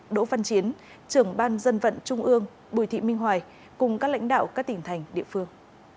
đỗ văn chiến trưởng ban dân vận trung ương bùi thị minh hoài cùng các lãnh đạo các tỉnh thành địa phương